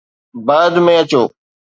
بعد ۾ اچو